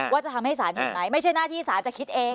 ว่าจะทำให้สารเห็นไหมไม่ใช่หน้าที่สารจะคิดเอง